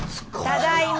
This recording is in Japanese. ただいま。